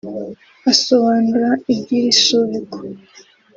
Asobanura iby’iri subikwa